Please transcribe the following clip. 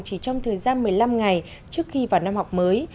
chỉ trong thời gian một mươi năm ngày trước khi vào năm học mới